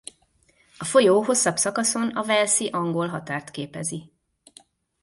A folyó hosszabb szakaszon a walesi-angol határt képezi.